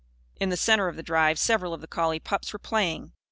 In the centre of the drive, several of the collie pups were playing.